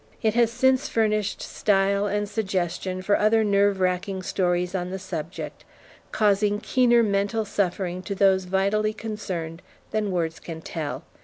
It has since furnished style and suggestion for other nerve racking stories on the subject, causing keener mental suffering to those vitally concerned than words can tell.